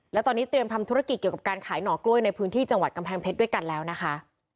และตอนนี้เตรียมทำธุรกิจเกี่ยวกับการขายหน่อกล้วยในพื้นที่จังหวัดกำแพงเพชรด้วยกันแล้วนะคะ